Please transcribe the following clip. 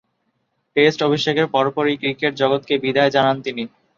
Test অভিষেকের পরপরই cricket জগৎকে বিদায় জানান তিনি।